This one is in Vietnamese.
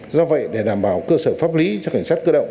do vậy để đảm bảo cơ sở pháp lý cho cảnh sát cơ động